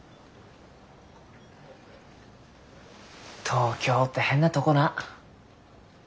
東京って変なとごな。